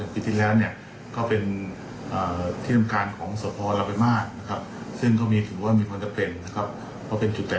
ในส่วนของกำรวจก็จะ